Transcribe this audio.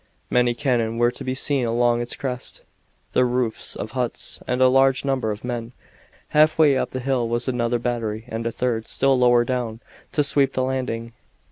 Many cannon were to be seen along its crest, the roofs of huts, and a large number of men. Halfway up the hill was another battery and a third, still lower down, to sweep the landing.